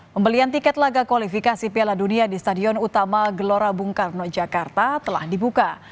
pembelian tiket laga kualifikasi piala dunia di stadion utama gelora bung karno jakarta telah dibuka